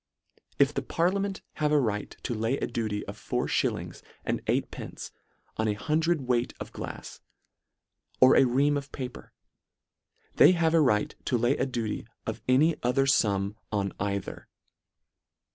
If the parliament have a right to lay a duty of four (hillings and eight pence on a hun dred weight of glafs, or a ream of paper, they have a right to lay a duty of any other fum on either.